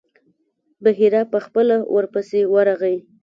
بحیرا په خپله ورپسې ورغی.